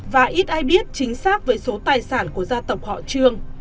và ít ai biết chính xác về số tài sản của gia tập họ trương